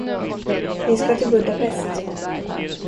Vi ska till Budapest.